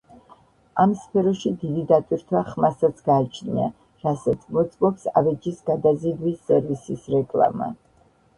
ამ სფეროში დიდი დატვირთვა ხმასაც გააჩნია, რასაც მოწმობს ავეჯის გადაზიდვის სერვისის რეკლამა.